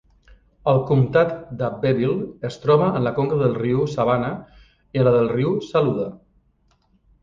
El comtat d'Abbeville es troba en la conca del riu Savannah i en la del riu Saluda.